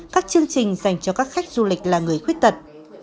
các chương trình dành cho các khách du lịch là người khuyết tật